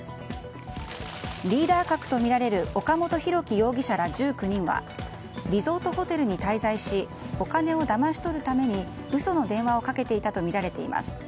リーダー格とみられる岡本大樹容疑者ら１９人はリゾートホテルに滞在しお金をだまし取るために嘘の電話をかけていたとみられています。